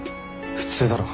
普通だろ。